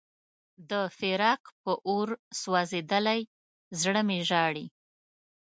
د فراق په اور سوځېدلی زړه مې ژاړي.